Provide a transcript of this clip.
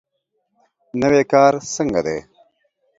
نوی کار څنګه دی؟